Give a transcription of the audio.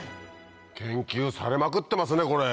研究されまくってますねこれ！